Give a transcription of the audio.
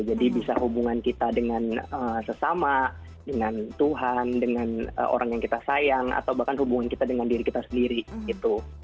jadi bisa hubungan kita dengan sesama dengan tuhan dengan orang yang kita sayang atau bahkan hubungan kita dengan diri kita sendiri gitu